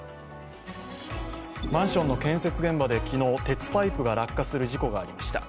マンションの建設現場で昨日鉄パイプが落下する事故がありました。